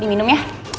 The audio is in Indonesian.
ini minum ya